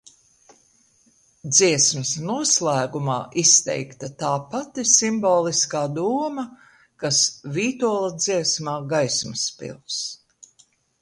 "Dziesmas noslēgumā izteikta tā pati simboliskā doma, kas Vītola dziesmā "Gaismas pils"."